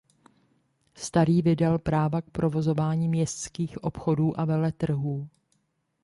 Starý vydal práva k provozování městských obchodů a veletrhů.